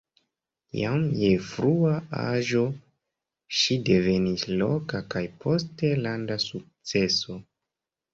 Jam je frua aĝo ŝi devenis loka kaj poste landa sukceso.